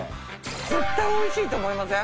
絶対おいしいと思いません？